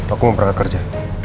aku mau pergi kerja